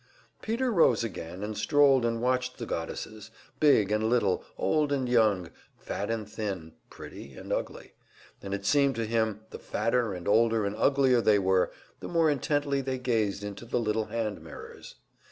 Peter rose again and strolled and watched the goddesses, big and little, old and young, fat and thin, pretty and ugly and it seemed to him the fatter and older and uglier they were, the more intently they gazed into the little hand mirrors.